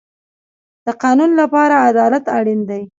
د قانون لپاره عدالت اړین دی